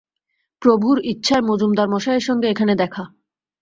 প্রভুর ইচ্ছায় মজুমদার মশায়ের সঙ্গে এখানে দেখা।